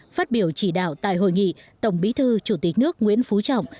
phát biểu chỉ đạo tại hội nghị tổng bí thư chủ tịch nước nguyễn phú trọng